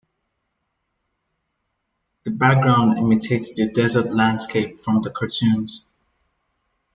The background imitates the desert landscape from the cartoons.